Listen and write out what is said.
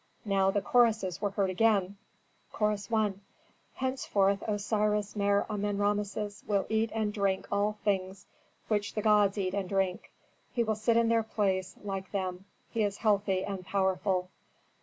Now the choruses were heard again, Chorus I. "Henceforth Osiris Mer Amen Rameses will eat and drink all things which the gods eat and drink. He will sit in their place, like them; he is healthy and powerful."